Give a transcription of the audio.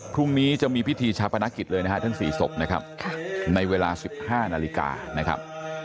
พรุ่งนี้จะมีพิธีชาปนกิจเลยนะฮะทั้ง๔ศพนะครับในเวลา๑๕นาฬิกานะครับ